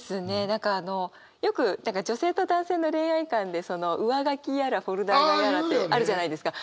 何かあのよく女性と男性の恋愛観で上書きやらフォルダーやらってあるじゃないですか。